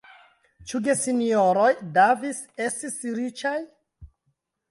Ĉu gesinjoroj Davis estis riĉaj?